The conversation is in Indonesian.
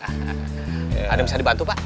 ada yang bisa dibantu pak